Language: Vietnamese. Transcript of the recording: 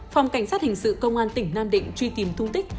phòng cảnh sát hình sự công an tỉnh nam định truy tìm tung tích